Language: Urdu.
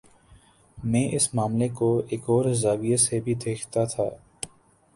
میں اس معاملے کوایک اور زاویے سے بھی دیکھتا تھا۔